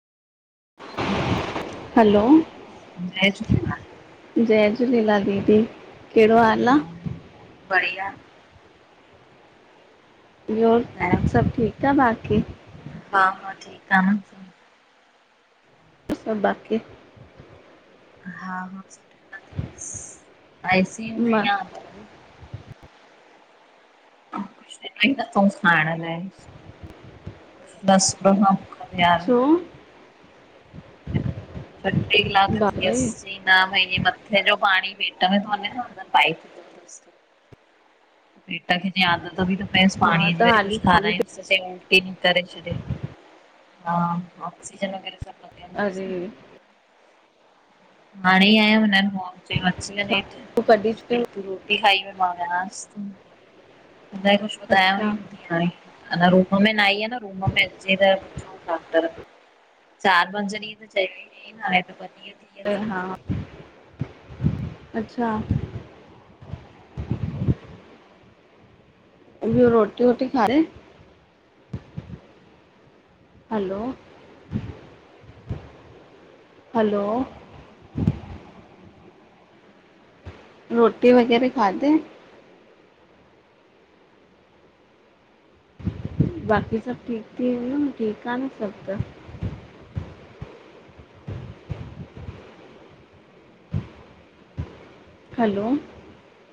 हलो जय झूलेलाल। जय झूलेलाल दीदी, कहिड़ो हाल आ? बढ़िया ॿो सभु ठीकु आ बाक़ी? हा-हा ठीकु आ न। सभ बाक़ी हा-हा सुठे [unintelligible] आई सी यु में ही मां आ [unintelligible] छो? ॿट्रीय कलाक बाप रे, थीयसि चयि न भई मथे जो पाणी पेट में तो वञेस न हुन पाईप पेट खे जीय आदत ॿि त प्येस हा पाणीअ जी, त जॾह हाली कुझु खाली पे- खारायूस ता उल्टी न करें छॾे, ऑक्सीजन वगैर सभ अरे हाणे ई आयम, हिनन चयो अची वञ छा तूं कॾहिं छुटी हेठ री खाई मां वियास ति, हुन ई कुझ ॿुधायो ई अच्छा, नथी अञा रूम में न आई आ न, रूम में अचे त पुछऊस ता डॉक्टर चार पंज ॾींहं त चई [unintelligible] हाणे तो ॿ ॾींहं विया हा सम्झ अच्छा रोटी वोटी खादे, रे हलो हलो रोटी वग़ैरह खाधे? बाक़ी सभब ठीक थी ठीक आहे न सभु त हलो